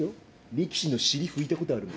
力士の尻拭いたことあるの」。